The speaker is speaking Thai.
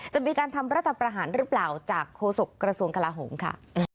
จะมีการทำรัฐประหารหรือเปล่าจากโฆษกระทรวงกลาโหมค่ะ